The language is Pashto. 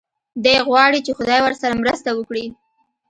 دی غواړي چې خدای ورسره مرسته وکړي.